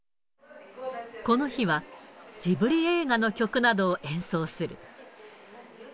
この日は、ジブリ映画の曲などを演奏する。